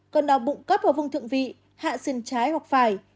cơn đau bụng cấp vào vùng thượng vị hạ xuyên trái hoặc phải